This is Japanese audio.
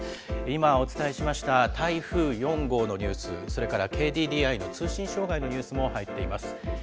今、お伝えしました台風４号のニュース、それからＫＤＤＩの通信障害のニュースも入っています。